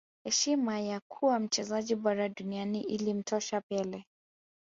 heshima ya kuwa mchezaji bora duniani ilimtosha pele